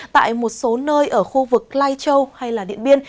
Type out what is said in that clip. tại một số nơi ở khu vực lai châu hay điện biên